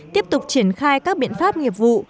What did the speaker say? tiếp tục triển khai các biện pháp nghiệp vụ